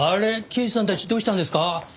刑事さんたちどうしたんですか？